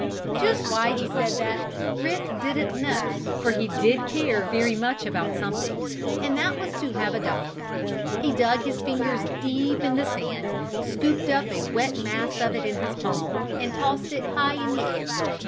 Just why he said that Rick didn't know, for he did care very much about something and that was to have a dog. He dug his fingers deep in the sand, scooped up a wet mass of it in his palm, and tossed it high into the air.